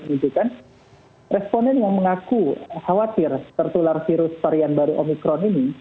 ini bukan responen yang mengaku khawatir tertular virus varian baru omikron ini